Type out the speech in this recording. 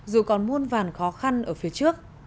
dù còn muôn vàn khó khăn ở phía trước